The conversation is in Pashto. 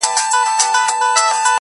o هر څوک د خپل ضمير سره يو څه جګړه لري,